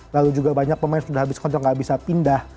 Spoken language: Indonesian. lalu juga banyak pemain sudah habis kontrol nggak bisa pindah